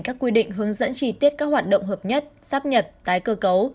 các quy định hướng dẫn chi tiết các hoạt động hợp nhất sắp nhập tái cơ cấu